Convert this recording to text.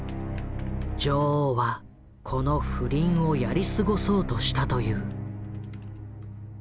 女王はこの不倫をやり過ごそうとしたという。